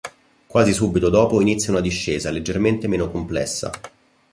Quasi subito dopo inizia una discesa leggermente meno complessa.